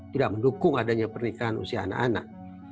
tidak mendukung adanya pernikahan usia anak anak